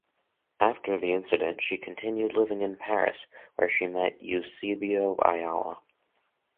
After the incident, she continued living in Paris, where she met Eusebio Ayala.